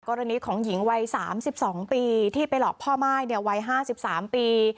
กรณีของหญิงวัย๓๒ปีที่ไปหลอกพ่อม่ายวัย๕๓ปี